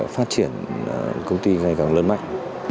phát triển công ty ngày càng lớn mạnh